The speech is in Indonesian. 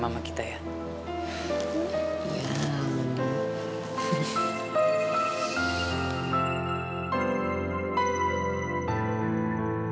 bahwa sangat jelas